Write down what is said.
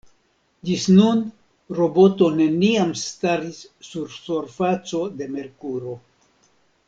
Ĝis nun, roboto neniam staris sur surfaco de Merkuro.